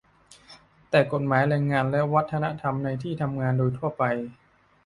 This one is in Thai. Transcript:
แต่กฎหมายแรงงานและวัฒนธรรมในที่ทำงานโดยทั่วไป